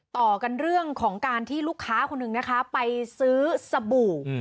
ต่อกันเรื่องของการที่ลูกค้าคนหนึ่งนะคะไปซื้อสบู่